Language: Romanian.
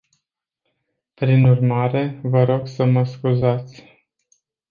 Prin urmare, vă rog să mă scuzați.